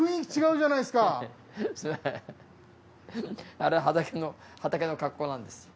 あれは畑の畑の格好なんです。